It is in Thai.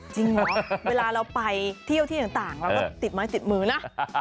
เหรอเวลาเราไปเที่ยวที่ต่างเราก็ติดไม้ติดมือนะ